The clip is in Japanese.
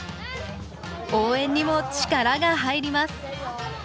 応援にも力が入ります